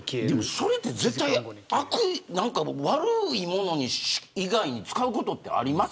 それって何か悪いもの以外に使うことあります。